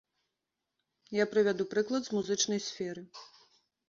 Я прывяду прыклад з музычнай сферы.